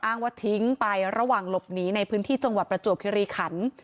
อ้างว่าทิ้งไประหว่างหลบหนีในพื้นที่จังหวัดประจวบคิริขัน